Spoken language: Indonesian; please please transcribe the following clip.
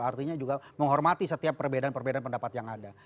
artinya juga menghormati setiap perbedaan perbedaan pendapat yang ada